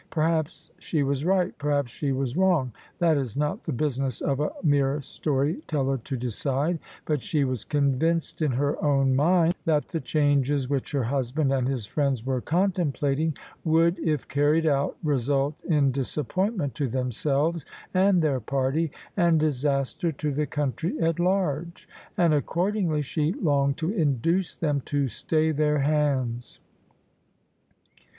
Perhaps she was right — perhaps she was wrong: that is not the business of a mere story teller to decide : but she was convinced in her own mind that the changes which her husband and his friends were con templating, would, if carried out, result in disappointment to themselves and their party, and disaster to the country at large: and accordingly she longed to induce them to stay their hands.